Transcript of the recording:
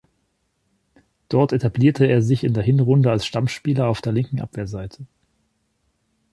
Dort etablierte er sich in der Hinrunde als Stammspieler auf der linken Abwehrseite.